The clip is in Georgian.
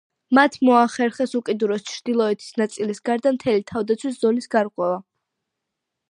მათ მოახერხეს უკიდურესი ჩრდილოეთის ნაწილის გარდა მთელი თავდაცვის ზოლის გარღვევა.